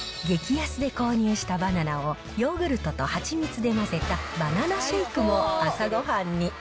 激安で購入したバナナを、ヨーグルトと蜂蜜で混ぜたバナナシェイクも朝ごはんに。